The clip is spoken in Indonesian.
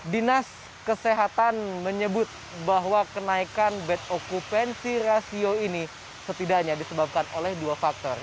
dinas kesehatan menyebut bahwa kenaikan bed okupansi rasio ini setidaknya disebabkan oleh dua faktor